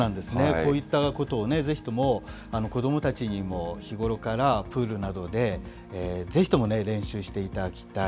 こういったことをぜひとも子どもたちにも日頃からプールなどで、ぜひとも練習していただきたい。